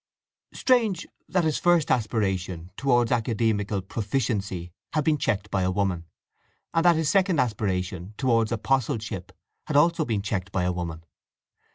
Strange that his first aspiration—towards academical proficiency—had been checked by a woman, and that his second aspiration—towards apostleship—had also been checked by a woman.